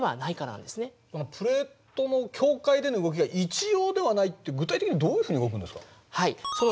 このプレートの境界での動きが一様ではないって具体的にはどういうふうに動くんですか？